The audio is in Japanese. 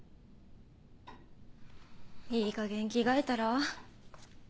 いいかげん着替えたら？